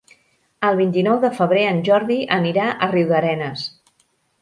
El vint-i-nou de febrer en Jordi anirà a Riudarenes.